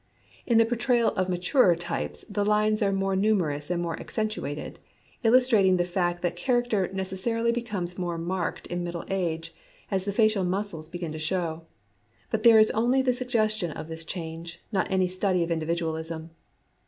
In the portrayal of maturer types the lines are more numerous and more accentuated, — illustrating the fact that character necessarily becomes more marked in middle age, as the facial muscles begin to show. But there is only the suggestion of this change, not any study of individualism.